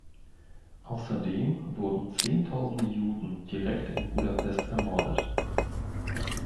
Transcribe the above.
Außerdem wurden zehntausende Juden direkt in Budapest ermordet.